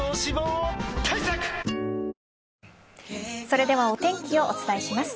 それではお天気をお伝えします。